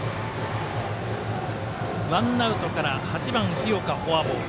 ワンアウトから８番、日岡、フォアボール。